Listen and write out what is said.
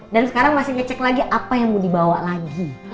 dan sekarang masih ngecek lagi apa yang mau dibawa lagi